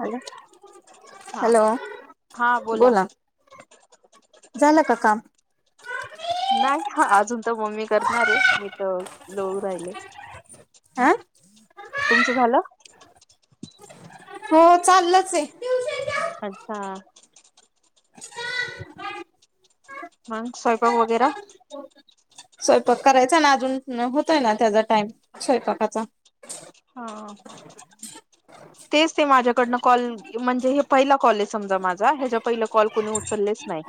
Hello हा hello बोला झालं का काम नाही अजून तर मम्मी करणार आहे मी तर लोळू राहिले आ तुमचं झालं हो चाललच आहे अच्छा मंग स्वयंपाग वगैरा स्वयंपाक करायचा ना अजून होतयं ना त्याचा टाइम स्वयंपाकाचा हा तेच ते माझ्याकडनं कॉल म्हणजे हे पहिला कॉल आहे समजा माझा ह्याच्या पहिला कॉल कोणी उचललेच नाही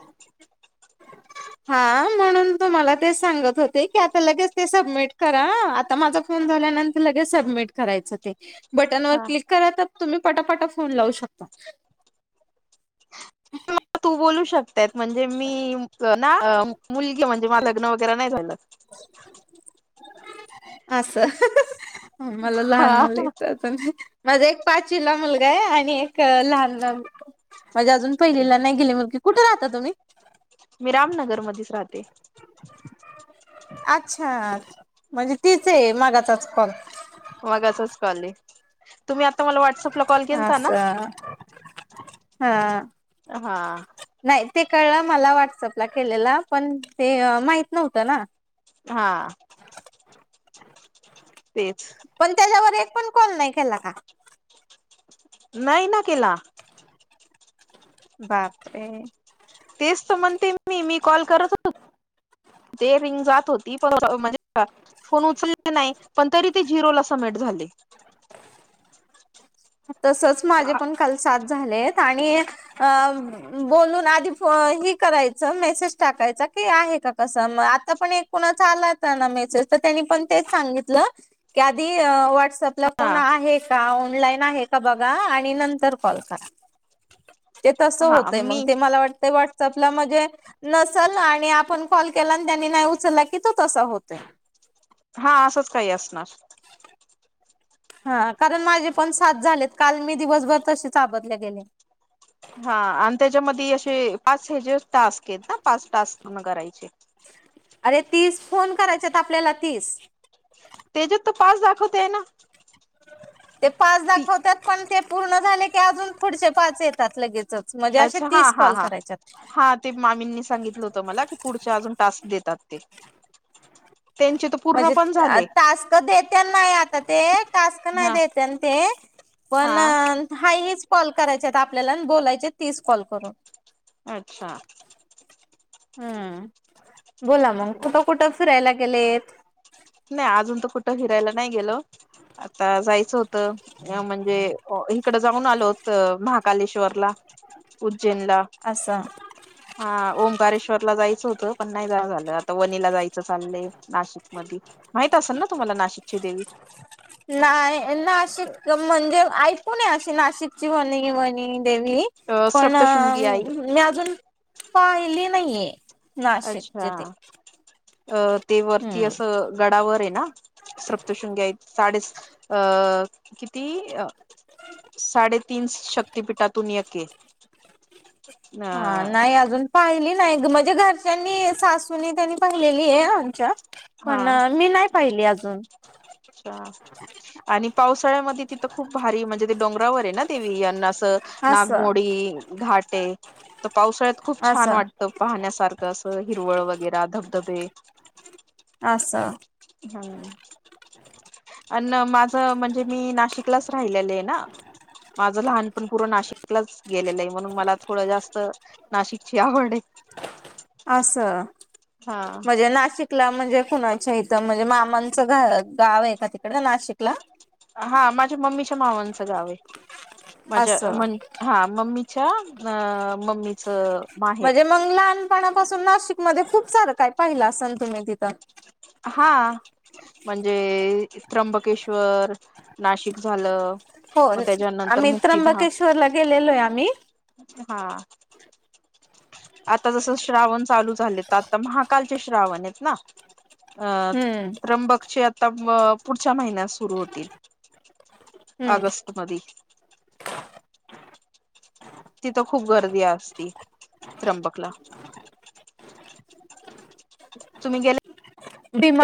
हा ना परंतु मला ते सांगत होते की आता लगेच ते सबमिट करा आता माझा फोन झाल्यानंतर लगेच सबमिट करायचं ते बटनवर हा क्लिक करा तर तुम्ही पटापटा फोन लावू शकता तू बोलू शकतायत म्हणजे मी ना मुलगी म्हणजे लग्न वगैरे नाही झालं असं ह ह ह मला लहान हा मुलं आहेत अंह माझा एक पाचवीला मुलगा आहे आणि एक लहान मुलगी आहे म्हणजे अजून पहिलेला नाही गेली मुलगी कुठे राहता तुम्ही मी रामनगर मधेच राहते अच्छा म्हणजे तीच आहे मागाचाच कॉल मगाचाच कॉल आहे तुम्ही आता मला व्हॉट्सअपला कॉल केलता ना हा हा. हा. नाही ते कळलं मला व्हॉट्सअपला केलेला पण ते माहित नव्हतं ना. हा. तेच पण त्याच्यावर एक पण कॉल नाही केला का नाही ना केला. बापरे तेच तर म्हणते मी मी कॉल करत होतो ते रिंग जात होती पण म्हणजे [inaudible] फोन उचलले नाही पण तरी ते झिरोला समिट झाले तसच माझे पण काल सात झालेत आणि अह बोलून आधी फ हे करायचं मेसेज टाकायचा की आहे का कसं मग आता पण एक कोणाचा आला त्यांना मेसेज तर त्यांनी पण तेच सांगितल की आधी अह व्हॉट्सॲप म्हटलं कोण हा आहे का ऑनलाईन आहे का बघा आणि नंतर कॉल करा ते तसं हा होतंय मग मी ते मला वाटतं वाट व्हॉट्सअँप म्हणजे नसल आणि आपण कॉल केला आणि त्यांनी नाही उचलला की तो तसा होतोय. हा असंच काही असणार. हा कारण माझे पण साया झालेत काल मी दिवसभर तसेच आबादले गेले हा आणि त्याच्यामध्ये असे पाच हे जे टास्क आहेत ना पाच टास्क पूर्ण करायचे. अरे तीस फोन करायच्यात आपल्याला तीस. तेच्यात तर पाच दाखवतेय ना. ते पाच ती दाखवतात पण ते पूर्ण झाले की अजून पुढचे पाच येतात लगेच च म्हणजे असे अच्छा हा तीस हा कॉल हा करायच्यात. हा ते मामींनी सांगितलं होत मला की पुढच्या अजून टास्क देतात ते. त्यांचे तर पूर्ण पण झाले. तर देत्यानं नाय आता ते टास्क नाही हा देत्यानं ते पण हा हाय हेच. कॉल करायच्यात आपल्याला आणि बोलायचेत तीस कॉल करून अच्छा. हम्म बोला मग कुठं कुठं फिरायला गेलेत? नाही अजून तर कुठं फिरायला नाही गेलो आता जायचं होतं ह्या म्हणजे अह इकडं जाऊन आलो होतो महाकालेश्वरला उज्जैनला अस हा ओंकारेश्वर ला जायचं होतं पण नाही जाण झालं आता वनीला जायचं चाललंय. नाशिक मध्ये. माहित असेल ना तुम्हाला नाशिकची देवी. नाही नाशिक म्हणजे ऐकून आहे अशी नाशिक ची वणी वणी देवी अ पण सप्तशृंगी आई मी अजून पाहिली नाहीये नाशिकच ते. अह ते वरती हम्म असं गडावर आहे ना सप्तशृंगी आहे ती साडे अ किती साडे तीन शक्ततीपीठातून येते. हा नाही अजून पाहिली नाही म्हणजे घरच्यांनी सासूनी त्यांनी पाहिलेली आहे आमच्या हा पण मी नाही पाहिली अजून. अच्छा. आणि पावसाळ्यामध्ये तिथं खूप भारी म्हणजे ते डोंगरावर आहे ना देवी यांना असं नागमोडी घाटे. तर पावसाळ्यात खूप छान असं वाटतं पाहण्यासारखं असं हिरवळ वगैरे धबधबे. आसा. हम्म. अ माझं म्हणजे मी नाशिकलाच राहिलेलं आहे ना? माझं लहानपण पूर नाशिकलाच गेलेलं आहे म्हणून मला थोडं जास्त नाशिकची आवड आहे. आस हा म्हणजे नाशिक. नाशिकला म्हणजे कुणाच्या इथं म्हणजे मामांचं गाव आहे का तिकड नाशिकला? हा माझ्या मम्मीच्या मावांचं गाव आहे माझ्या असं म्हनी. हा मम्मीच्या अ मम्मीच माहेर म्हणजे मग लहानपणापासून नाशिकमध्ये खूप सारं काय पाहिलं असेल तुम्ही तिथं. हा. म्हणजे त्र्यंबकेश्वर नाशिक झालं? हो मग त्याच्यानंतर आम्ही मुक्तिधाम त्र्यंबकेश्वर ला गेलेलो आहे आम्ही. हा. आता जसं श्रावण चालू झाले तर आता महाकालचे श्रावण आहेत ना? हम्म त्रंबक चे आता पुढच्या महिन्यात सुरू होतील? हम्म आगस्ट मधी. तिथं खूप गर्दी असती त्र्यंबकला? तुम्ही गेले?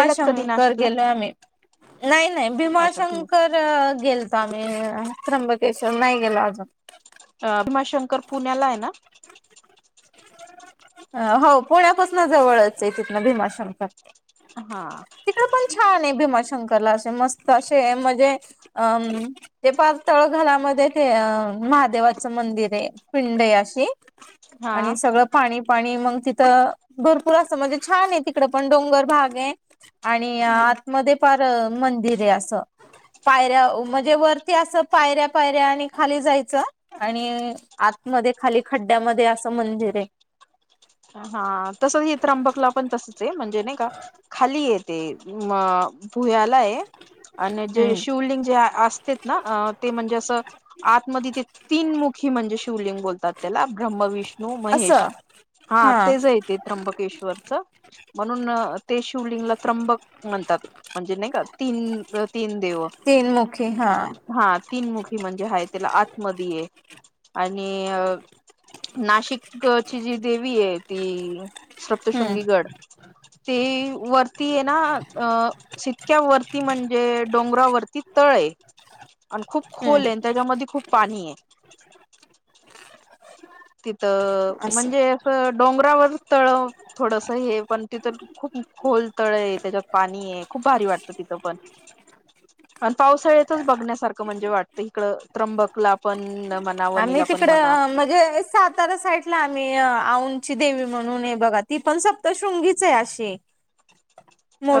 गेलात कधी नाशिकला गेलोय आम्ही. [inaudible] नाही नाही अच्छा भीमाशंकर गेल तर आम्ही त्र्यंबकेश्वर नाही गेलो अजून? भीमाशंकर पुण्याला आहे ना. हो पुण्यापासून जवळच आहे तिथन भीमाशंकर. हा. तिकड पण छान आहे भीमाशंकरला असे मस्त असे म्हणजे अम्म. ते पाच तळ घरामध्ये ते अ महादेवाचं मंदिर आहे पिंड आहे अशी. हा आणि सगळं? पाणी पाणी मग तिथं भरपूर असं म्हणजे छान आहे तिकड पण डोंगर भाग आणि आतमध्ये फार मंदिर आहे असं. पायऱ्या म्हणजे वरती असं पायऱ्या पायऱ्या आणि खाली जायचं? आणि आतमध्ये खाली खड्ड्यामध्ये असं मंदिर आहे. हा तसच हे त्रंबकला पण तसच आहे म्हणजे नाही का खाली ये. मग पुण्याला हे. आणि जे हम्म शिवलिंग जे असते ना ते म्हणजे असं आतमध्ये ते तीन मुखी म्हणजे शिवलिंग बोलतात त्याला ब्रह्म विष्णू महेश. असं हा तेच येते त्र्यंबकेश्वरच म्हणून ते शिवलिंगला त्र्यंबक म्हणतात म्हणजे नाही का तीन तीन देव. तीन मुखे हा? हा तीन मुखी म्हणजे हाय त्याला आत मधी आहे. आणि नाशिकची जी देवी आहे ती हम्म स्रप्तशृंगी गड. ते वरती ये ना अ जीतक्यावरती म्हणजे डोंगरावरती तळय आण खूप खोल ये अन् हम्म त्याज्यामध्ये खूप पाणी ये. तिथं असं म्हणजे असं डोंगरावर तळ थोडस हे पण तिथं खूप खोल तळ ये त्याज्यात पाणी ये खूप भारी वाटतं तिथं पण आण पावसाळ्यातच बघण्यासारखं म्हणजे वाटतं इकड त्र्यंबकला पण अ आम्ही तिकड म्हणजे सातारा साइडला आम्ही अ आऊ ची देवी म्हणून ये बघा ती पण सप्तशृंगीच हाय अशी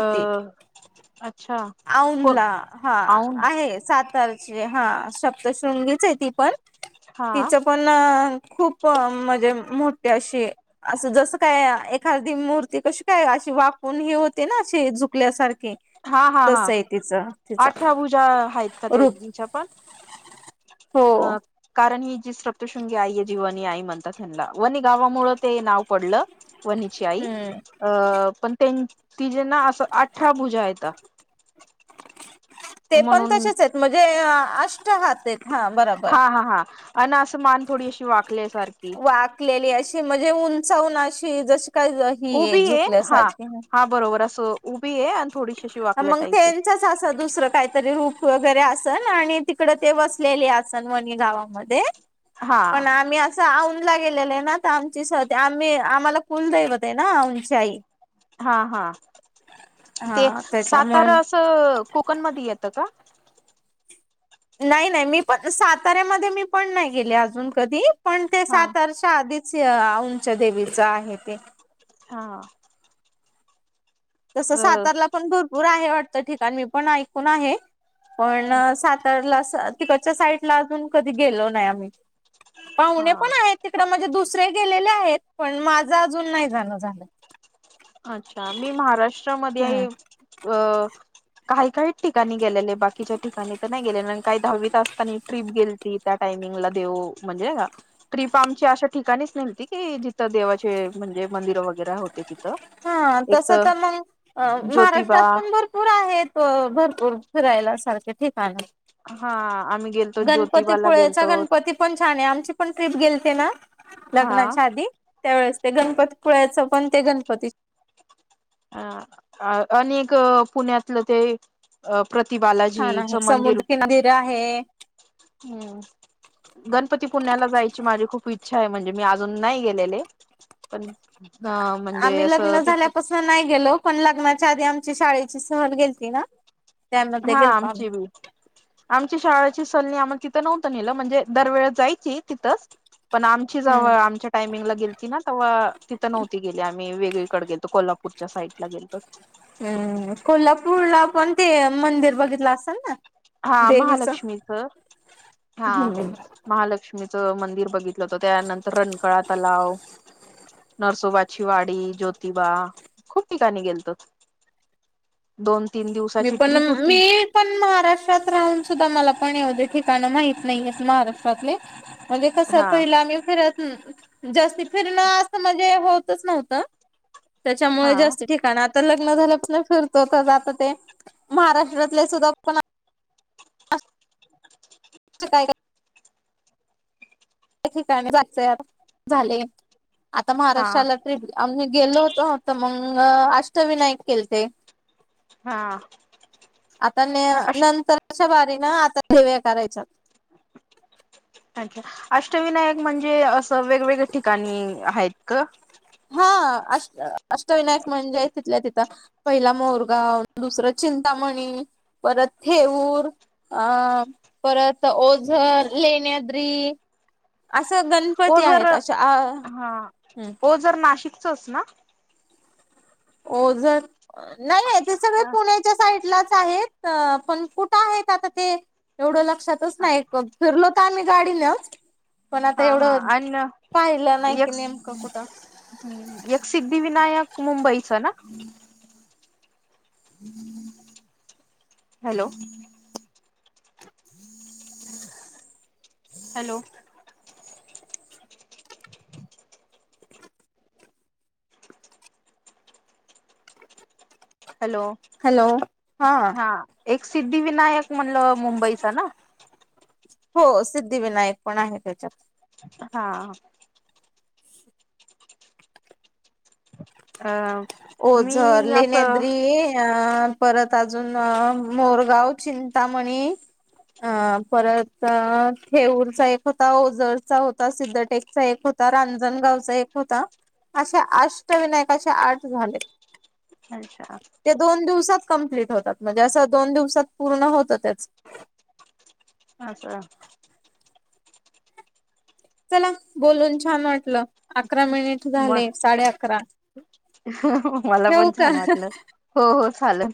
अ अच्छा. हो औंधला हा औंध आहे सातारची हा शप्दशृंगीचय ती पण हा तिचं पण अ खूप म्हणजे मोठी अशी असं जसं काय एखादी मूर्ती कशी काय अशी वाकुन हे होते ना अशी झुकल्यासारखे हा हा हा अठरा भुजा हायत का रूप त्यांच्या पण? हो. अ कारण ही जी स्रप्तशृंगी आई ये जी वनी आई म्हणतात ह्यांनला वनी गावामुळे ते नाव पडलं. वणीची आई हम्म अं पण त्यान तिजे ना असं अठरा भुजा हायता. ते पण म्हणून तसेच आहेत म्हणजे अष्ट हात येत. हा हा हा अन् असं मान थोडी अशी वाकल्या सारखी. कलेली अशी म्हणजे उंचावून अशी जशी काय अ उभी ये हा हा बरोबर असं उभी ये हा मंग त्यांचच असं दुसरं काय ते रूप वगैरे असन आणि तिकड ते वसलेले असन वणी गावामध्ये आहे हा पण आम्ही अ असं औंदला गेलेलं हे ना तर आमची सती आम्ही आम्हाला कुल दैवत हे ना औंदची आई. हा हा ते हा त्याच्यामुळे सातारा असं कोकणमधी येतं का. नाय नाय मी पण साताऱ्यामध्ये मी पण नाय गेले अजून कधी पण ते हा सातारचे ते आधीच अ औंदच्या देवीचं आहे ते हा. तसं अ सातारला पण भरपूर आहे वाटतं ठिकाण मी पण ऐकून आहे. पण सातारला असं तिकडच्या साईडला अजून कधी गेलो नाय आम्ही पाहुणे हा पण आहेत तिकड म्हणजे दुसरे गेलेले आहेत पण माझं अजून नाही जाण झालं. अच्छा मी हम्म. महाराष्ट्रामध्ये अ काही काही ठिकाणी गेलेले बाकीच्या ठिकाणी तर नाय गेलेले काही दहावीत असतानी ट्रिप गेलती त्या टायमिंगला देऊ म्हणजे नाय का ट्रीप आमची अशा ठिकाणीच नेलती की जिथं देवाचे म्हणजे मंदिर वगैरे होते तिथं हा तस तर मंग अ ज्योतिबा महाराष्ट्रात पण भरपूर आहेत. त भरपूर फिरायला सारखे ठिकाणं हा आम्ही. गेलतो ज्योतिबाला गणपतीपुळेचा गेलतो गणपती पण छान हाय आमची पण ट्रीप गेलते ना हा लग्नाच्या आधी त्यावेेळेस ते गणपती पूळ्याचं पण ते गणपती आ अ आणि एक पुण्यातलं ते अ छान आहे प्रतिबालाजीचं मंदिर समुद्र किनारे आहे. हम्म. गणपतीपुण्याला जायची माझी खूप इच्छा ये म्हणजे मी अजून नाय गेलेले पण अ म्हणजे आम्ही असं लग्न ते झाल्यापासून नाही गेलो पण लग्नाच्या आधी आमची शाळेची सहल गेलती ना त्यामध्ये हा गेलतो आम्ही आमची बी आमची शाळेची सल नी आम्हाला तिथं नव्हतं नेलं म्हणजे दरवेळ जायची तिथंच पण आमची हम्म जवळ आमच्या टायमिंगला गेलती ना तवा तिथं नव्हती गेली आम्ही वेगळीकडे गेलतो कोल्हापूर पुढच्या साईड ला गेलतो हू कोल्हापूरला पण ते मंदिर बघितला असाल ना हा देवीचं महालक्ष्मीच हा महालक्ष्मीचं मंदिर बघितलं होतं त्यानंतर रंकाळा तलाव नरसोबाची ज्योतिबा खूप ठिकाणी गेलतो दोन तीन मी दिवसाची पण ट्रिप होती मी पण महाराष्ट्रात राहून सुद्धा मला पण एवढे ठिकाण माहित नाहीेयेत महाराष्ट्रातले म्हणजे कसं हा पहिलं आम्ही फिरत जास्ती फिरणं असं म्हणजे होतच नव्हतं त्याच्यामुळे हा जास्त ठिकाण आता लग्न झालं पासण फिरतो तर जात ते महाराष्ट्रातले सुद्धा काय का प्रत्येक ठिकाणी जायचं झाले आता हा महाराष्ट्राला ट्रिप आम्ही गेलो होतो आता मंग अष्टविनायक केलते हा आता नाही अष्ट नंतरच्या बारीन आता पोळ्या करायच्या अच्छा अष्टविनायक म्हणजे असं वेगवेगळ्या ठिकाणी आहेत ग हा अष्ट अष्टविनायक म्हणजे तिथल्या तिथं पहिला मोरगाव दुसर चिंतामणी परत थेऊर अ परत ओझर लेण्याद्री असं द ओझर हा ओझर नाशिकचच ना ओझर नाही हाय ते सगळे हा पुण्यात च्या साईडलाचं आहेत पण कुठ आहेत आता ते एवढ लक्ष लक्षातच नाहीत बघ फिरलो तर आम्ही गाडीनच पण आता हा एवढं आणि पाहिलं नाही कि नेमकं कुठं हू एक सिद्धिविनायक मुंबईचा ना [inaudible] हॅलो हॅलो हॅलो हॅलो हा एक सिद्धिविनायक म्हणल मुंबईचा ना हो सिद्धिविनायक पण आहे त्याच्यात हा हा हा ओझर लेण्याद्री अ परत अजून मोरगाव चिंतामणी अ परत थेऊरचा एक होता ओझरचा होता सिद्धटेकचा एक हो ता रांजणगावचा एक होता अशे अष्टविनायक अशे आठ झाले अच्छा ते दोन दिवसात कमप्लीट होतात म्हणजे असं दोन दिवसात पूर्ण होत त्याच अच्छा चला बोलून छान वाटलं अकरा मिनिट झाले साडे अकरा हो मला ठेवू पण छान का वाटलं. हो हो चाललं.